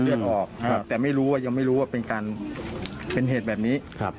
เลือดออกครับแต่ไม่รู้ว่ายังไม่รู้ว่าเป็นการเป็นเหตุแบบนี้ครับ